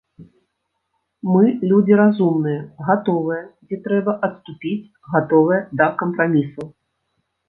Мы людзі разумныя, гатовыя, дзе трэба, адступіць, гатовыя да кампрамісаў.